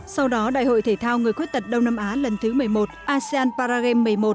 sau đó đại hội thể thao người khuyết tật đông nam á lần thứ một mươi một asean paragame một mươi một